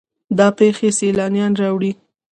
دا پیښې سیلانیان راوړي.